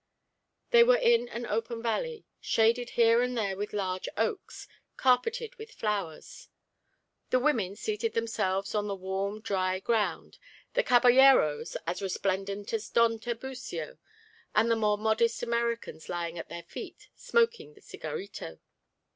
They were in an open valley, shaded here and there with large oaks, carpeted with flowers. The women seated themselves on the warm dry ground, the caballeros, as resplendent as Don Tiburcio, and the more modest Americans lying at their feet, smoking the cigarito.